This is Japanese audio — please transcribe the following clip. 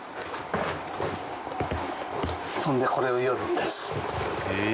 そんでこれを撚るんです。